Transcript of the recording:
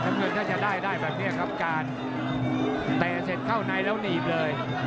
น้ำเงินก็จะได้แบบนี้ครับแต่เสร็จเข้าในแล้วหนีบเลย